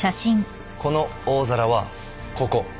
この大皿はここ。